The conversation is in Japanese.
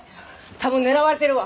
多分狙われてるわ。